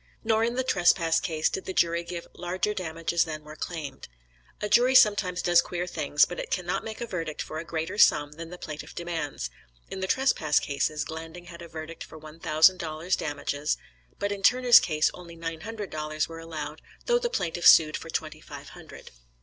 Nor in the trespass case did the jury give "larger damages than were claimed." A jury sometimes does queer things, but it cannot make a verdict for a greater sum than the plaintiff demands; in the trespass cases, Glanding had a verdict for one thousand dollars damages, but in Turner's case only nine hundred dollars were allowed, though the plaintiff sued for twenty five hundred.